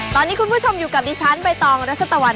ตอนนี้คุณผู้ชมอยู่กับดิฉันใบตองรัศบันดาลใจ